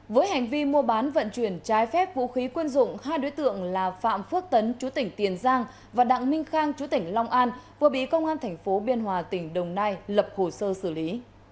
với hành vi mua bán vận chuyển trái phép vũ khí quân dụng hai đối tượng là phạm phước tấn chú tỉnh tiền giang và đặng minh khang chú tỉnh long an vừa bị công an tp biên hòa tỉnh đồng nai lập hồ sơ xử lý